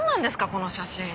この写真。